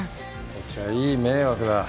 こっちはいい迷惑だ。